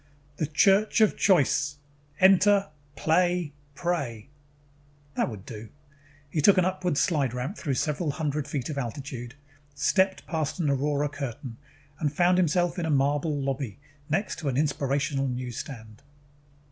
THE CHURCH OF CHOICE Enter, Play, Pray That would do. He took an upward slideramp through several hundred feet of altitude, stepped past an aurora curtain, and found himself in a marble lobby next to an inspirational newsstand.